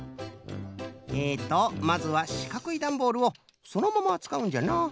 えとまずはしかくいダンボールをそのままつかうんじゃな。